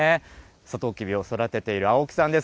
さとうきびを育てている青木さんです。